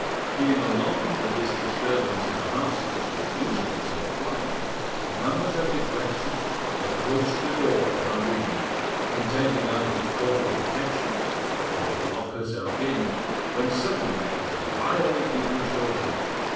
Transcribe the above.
Being alarmed at this disturbance in a house which was usually so quiet, Mademoiselle de Guerchi approached the door of her room, intending either to call for protection or to lock herself in, when suddenly it was violently pushed open.